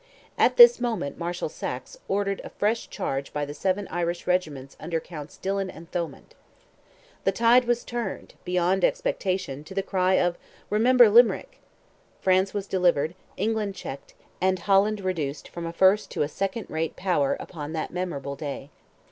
At this moment Marshal Saxe ordered a final charge by the seven Irish regiments under Counts Dillon and Thomond. The tide was turned, beyond expectation, to the cry of "Remember Limerick!" France was delivered, England checked, and Holland reduced from a first to a second rate power upon that memorable day.